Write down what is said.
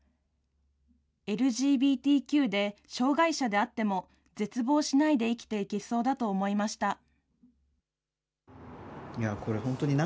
ＬＧＢＴＱで障害者であっても、絶望しないで生きていけそうだと思いました。